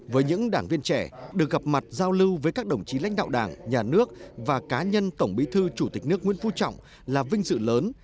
với những đảng viên trẻ được gặp mặt giao lưu với các đồng chí lãnh đạo đảng nhà nước và cá nhân tổng bí thư chủ tịch nước nguyễn phú trọng là vinh dự lớn